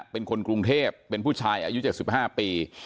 เป็นคนกรุงเทพเป็นผู้ชายอายุ๗๕ปี